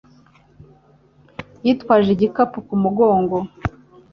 Yitwaje igikapu ku mugongo.